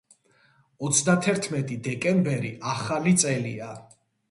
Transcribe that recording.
ოცდათერთმეტი დეკემბერი ახალი წელია